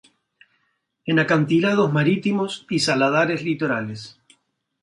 En acantilados marítimos y saladares litorales.